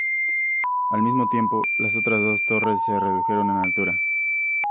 Al mismo tiempo, las otras dos torres se redujeron en altura.